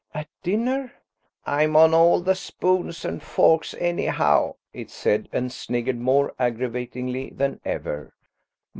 "At dinner?" "I'm on all the spoons and forks, anyhow," it said, and sniggered more aggravatingly than ever.